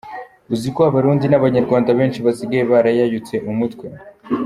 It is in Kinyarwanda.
Uzi ko abarundi n abanyarwanda benshi basigaye barayayutse umutwe?